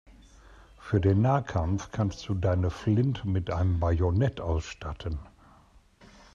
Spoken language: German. Für den Nahkampf kannst du deine Flinte mit einem Bajonett ausstatten.